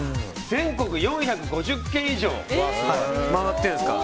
全国４５０軒以上を回ってるんですか？